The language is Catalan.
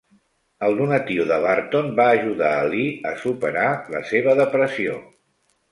El donatiu de Burton va ajudar a Lee a superar la seva depressió.